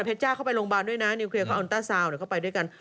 จ้าเข้าไปโรงพยาบาลด้วยนะนิวเคลียร์ก็ออนต้าซาวนเข้าไปด้วยกัน